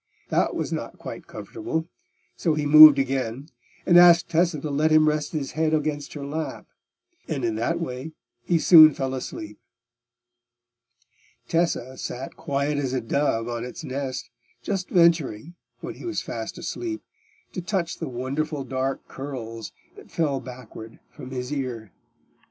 That was not quite comfortable; so he moved again, and asked Tessa to let him rest his head against her lap; and in that way he soon fell asleep. Tessa sat quiet as a dove on its nest, just venturing, when he was fast asleep, to touch the wonderful dark curls that fell backward from his ear.